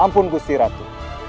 ampun gusti ratu